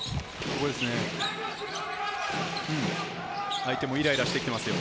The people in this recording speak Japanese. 相手もイライラしてきていますよ。